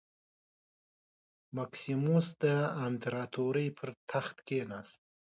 مکسیموس د امپراتورۍ پر تخت کېناست.